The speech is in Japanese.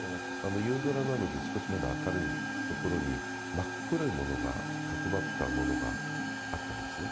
夕空なので、まだ少し明るいところに、真っ黒いものが、角ばったものがあったんですね。